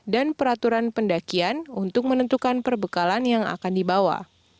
dan peraturan pendakian untuk menentukan perbekalan yang akan dibawa